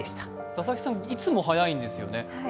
佐々木さん、いつも早いんですよね。